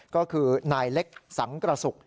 ก็คือนายเล็กสังกระสุก